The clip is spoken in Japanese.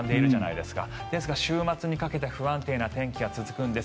ですが、週末にかけて不安定な天気が続くんです。